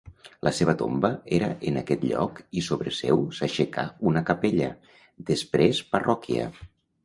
La seva tomba era en aquest lloc i sobre seu s'aixecà una capella, després parròquia.